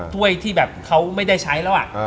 ถ้วยที่แบบเขาไม่ได้ใช้แล้ว